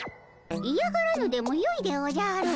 いやがらぬでもよいでおじゃる。